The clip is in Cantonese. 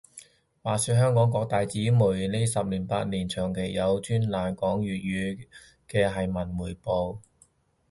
話說香港各大紙媒呢十年八年，長期有專欄講粵語嘅係文匯報